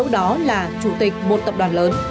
dẫu đó là